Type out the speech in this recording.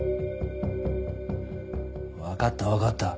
わかったわかった。